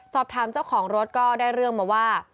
สอบถามเจ้าของรถก็ได้เรื่องมาว่า